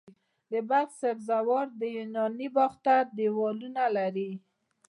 د بلخ د سبزې وار د یوناني باختر دیوالونه لري